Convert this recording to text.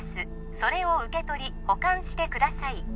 それを受け取り保管してください